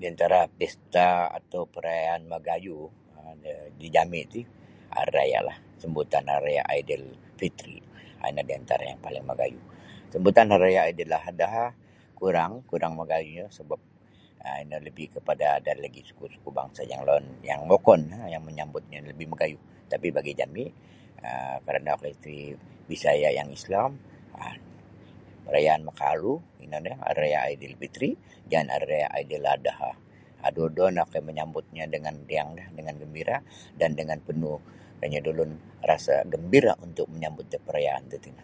Di antara pesta atau perayaan magayuh um di jami ti hari rayalah sambutan hari raya Aidil Fitri um ino di antara sambutan yang paling magayuh sambutan hari raya Aidil Adha kurang kurang magayuh sebap ino lebih kepada ada lagi suku-suku bangsa yang wokon yang menyambutnyo lebih magayuh. Tapi bagi jami kerana okoi ti Bisaya yang Islam perayaan makalu ino nio hari raya Aidil Fitri jaan Hari Raya Aidil Adha um duo-duo no okoi menyambutnyo dengan riang gembira dan dengan penuh kanyu da ulun rasa gembira untuk menyambut da perayaan tatino.